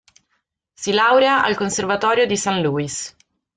Si laurea al conservatorio di Saint Louis.